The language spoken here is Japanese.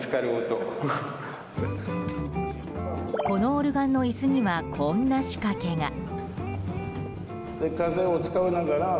このオルガンの椅子にはこんな仕掛けが。